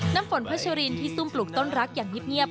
น้ำฝนพัชรินที่ซุ่มปลูกต้นรักอย่างเงียบ